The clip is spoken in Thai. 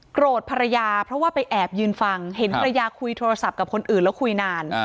ภรรยาเพราะว่าไปแอบยืนฟังเห็นภรรยาคุยโทรศัพท์กับคนอื่นแล้วคุยนาน